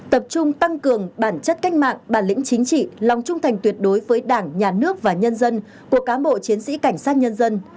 tập trung tăng cường bản chất cách mạng bản lĩnh chính trị lòng trung thành tuyệt đối với đảng nhà nước và nhân dân của cám bộ chiến sĩ cảnh sát nhân dân